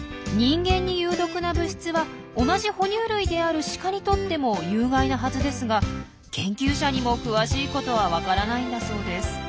人間に有毒な物質は同じ哺乳類であるシカにとっても有害なはずですが研究者にも詳しいことはわからないんだそうです。